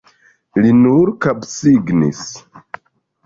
Li nur kapsignis.